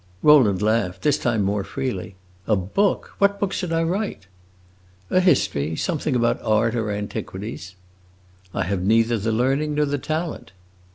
Rowland laughed, this time more freely. "A book! What book should I write?" "A history; something about art or antiquities." "I have neither the learning nor the talent."